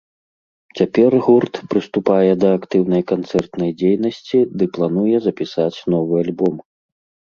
Цяпер гурт прыступае да актыўнай канцэртнай дзейнасці ды плануе запісаць новы альбом.